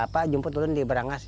pak jemput di berangas